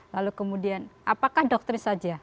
lalu kemudian apakah dokter saja